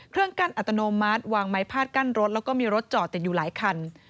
เครื่องกั้นอัตโนมัติวางไม้พาดกั้นรถแล้วก็มีรถจอดติดอยู่หลายคัน